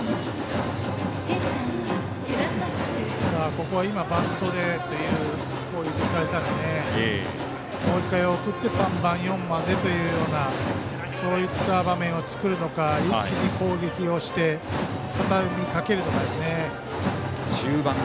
ここはバントでという攻撃をされたのでもう１回送って３番、４番でというそういった場面を作るのか一気に攻撃をしてたたみかけるのかですね。